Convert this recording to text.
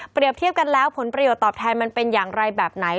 เทียบกันแล้วผลประโยชน์ตอบแทนมันเป็นอย่างไรแบบไหน